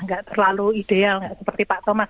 nggak terlalu ideal seperti pak thomas